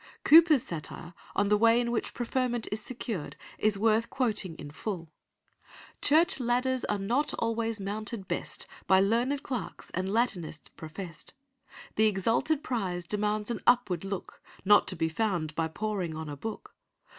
Cowper's satire on the way in which preferment is secured is worth quoting in full— "Church ladders are not always mounted best By learned clerks and Latinists professed. The exalted prize demands an upward look, Not to be found by poring on a book.